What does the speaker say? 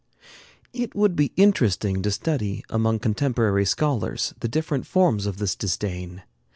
It would be interesting to study among contemporary scholars the different forms of this disdain.